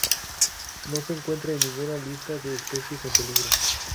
No se encuentra en ninguna lista de especies en peligro.